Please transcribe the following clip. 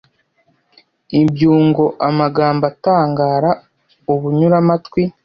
ibyungo, amagambo atangara, ubunyuramatwi,